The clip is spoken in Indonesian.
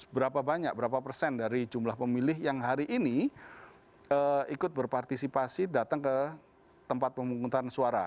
berapa banyak berapa persen dari jumlah pemilih yang hari ini ikut berpartisipasi datang ke tempat pemungutan suara